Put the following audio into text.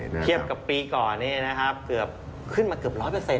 เทียบกับปีก่อนเขื่อมาเกือบ๑๐๐อ่ะ